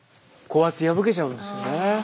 こうやって破けちゃうんですよね。